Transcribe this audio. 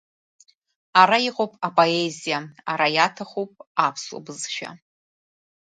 Ара иҟоуп апоезиа, ара иаҭахуп аԥсуа бызшәа.